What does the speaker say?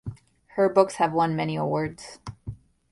Her books have won many awards.